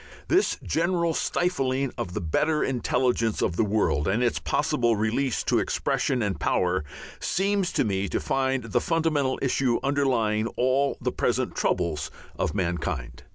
This general stifling of the better intelligence of the world and its possible release to expression and power, seems to me to be the fundamental issue underlying all the present troubles of mankind.